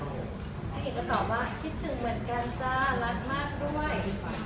ผู้หญิงก็ตอบว่าคิดถึงเหมือนกันจ้ารักมากด้วย